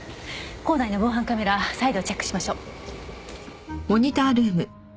構内の防犯カメラ再度チェックしましょう。